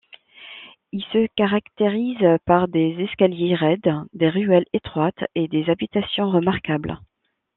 Il se caractérise par des escaliers raides, des ruelles étroites et des habitations remarquables.